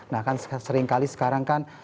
nah kan sering kali sekarang kan